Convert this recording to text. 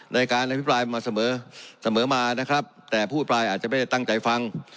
ในการอภิปรายมาเสมอแต่ผู้อภิปรายอาจจะไม่ได้ตั้งใจฟัง